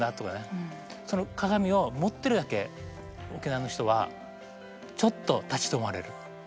その鏡を持ってるだけ沖縄の人はちょっと立ち止まれる。